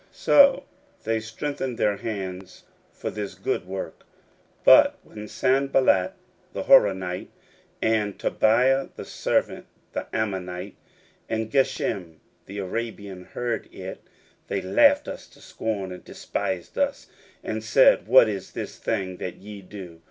So they strengthened their hands for this good work. 16:002:019 But when Sanballat the Horonite, and Tobiah the servant, the Ammonite, and Geshem the Arabian, heard it, they laughed us to scorn, and despised us, and said, What is this thing that ye do?